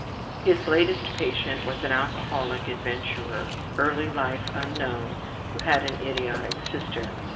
His last patient was an alcoholic adventurer, early life unknown, who had an idiotic sister.